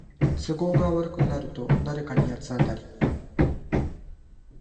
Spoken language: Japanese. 都合悪くなると誰かに八つ当たり